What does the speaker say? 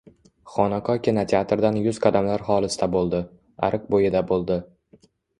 Xonaqo kinoteatrdan yuz qadamlar xolisda bo‘ldi. Ariq bo‘yida bo‘ldi.